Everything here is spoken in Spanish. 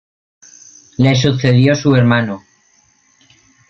Y además de la propia Santa Ana, como capital.